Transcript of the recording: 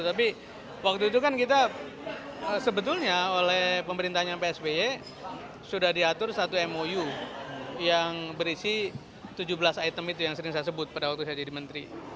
tapi waktu itu kan kita sebetulnya oleh pemerintahnya psby sudah diatur satu mou yang berisi tujuh belas item itu yang sering saya sebut pada waktu saya jadi menteri